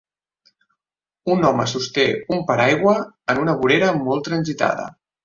Un home sosté un paraigua en una vorera molt transitada.